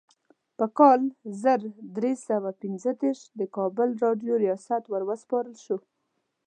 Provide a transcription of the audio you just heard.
په کال زر درې سوه پنځه دیرش د کابل راډیو ریاست وروسپارل شو.